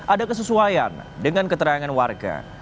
ada kesesuaian dengan keterangan warga